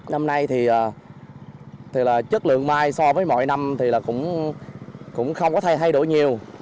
năm nay thì chất lượng mai so với mọi năm thì cũng không có thay đổi nhiều